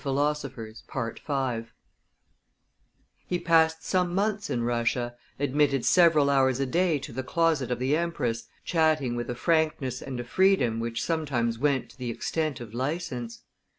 [Illustration: Diderot and Catherine II 321] He passed some months in Russia, admitted several hours a day to the closet of the empress, chatting with a frankness and a freedom which sometimes went to the extent of license.